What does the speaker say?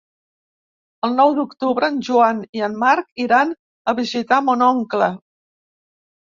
El nou d'octubre en Joan i en Marc iran a visitar mon oncle.